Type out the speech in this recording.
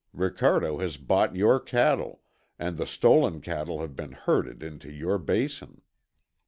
Ricardo has bought your cattle, and the stolen cattle have been herded into your basin."